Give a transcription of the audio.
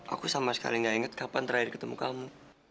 aku sama sekali nggak inget kapan terakhir ketemu kamu